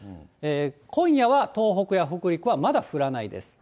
今夜は東北や北陸はまだ降らないです。